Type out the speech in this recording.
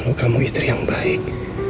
mau kamu istri yang baik